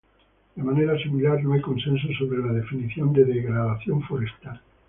De manera similar, no hay consenso sobre la definición de degradación forestal.